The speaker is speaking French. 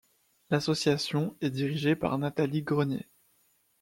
L'association est dirigée par Nathalie Grenier.